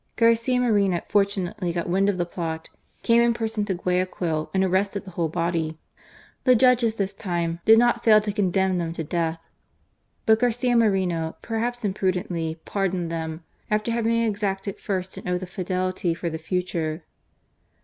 Garcia Moreno fortunately .got wind of the plot, came in person to Guayaquil and arrested the whole body. The judges this time did not fail to condemn them to death, but Garcia Moreno, perhaps imprudently, pardoned them, after having exacted first an oath of fidelity for the future.